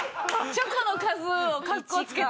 チョコの数をかっこつけて。